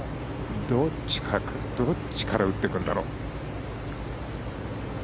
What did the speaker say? どっちから打ってくるんだろう。